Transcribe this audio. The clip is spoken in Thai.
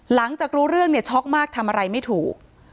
หลังจากรู้เรื่องเนี่ยช็อกมากทำอะไรไม่ถูก